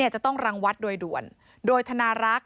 จะต้องรังวัดโดยด่วนโดยธนารักษ์